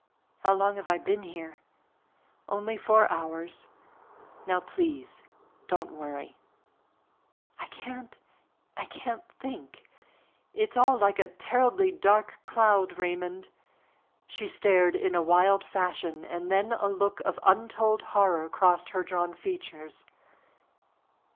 "How long have I been here?" "Only four hours. Now please, don't worry." "I can't I can't think it's all like a terribly dark cloud, Raymond." She stared in a wild fashion and then a look of untold horror crossed her drawn features.